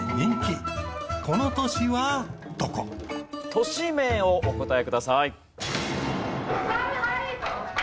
都市名をお答えください。